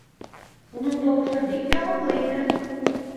Уның тауышы бик яғымлы ине.